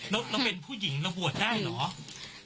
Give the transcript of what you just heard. แล้วเราเป็นผู้หญิงเราบวชได้เหรอ